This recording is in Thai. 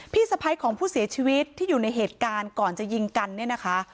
สะพ้ายของผู้เสียชีวิตที่อยู่ในเหตุการณ์ก่อนจะยิงกันเนี่ยนะคะ